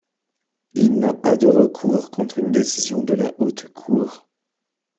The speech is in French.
Il n’a pas de recours contre une décision de la Haute Cour.